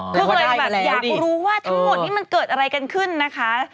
ก็เลยแบบอยากรู้ว่าทั้งหมดนี้มันเกิดอะไรกันขึ้นนะคะ